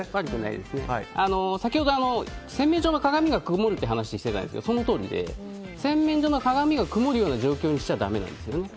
先ほど、洗面所の鏡がくもるという話をしていましたがそのとおりで、洗面所の鏡がくもるような状況にしちゃだめなんですね。